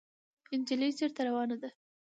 انجلۍ چېرته روانه ده ؟